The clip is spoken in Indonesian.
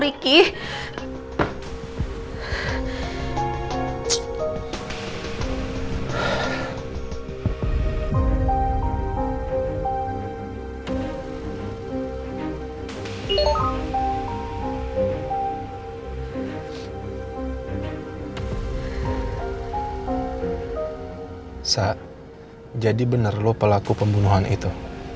elsa jadi bener lo pelaku pembunuhan itu